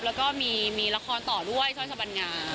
แล้วก็มีละครต่อด้วยสร้อยสบัญงา